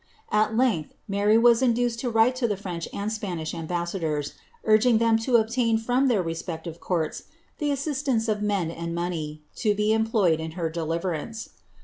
At length, Mary was induced to write to the French and Spanish am bassadors, uiging them to obtain from their respective courts, the assis tioce of men and money, to be employed in her deliverance.